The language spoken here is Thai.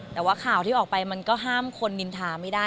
แต่ว่าข่าวที่ออกไปมันก็ห้ามคนนินทาไม่ได้